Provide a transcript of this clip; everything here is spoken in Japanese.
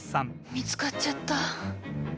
見つかっちゃった。